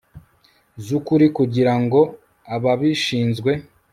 z'ukuri kugirango ababishinzwe